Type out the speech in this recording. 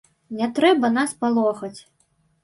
Не трэба нас палохаць.